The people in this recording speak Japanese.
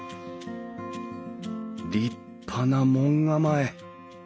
立派な門構え。